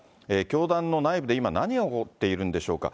教団の内部で今、何が起こっているんでしょうか。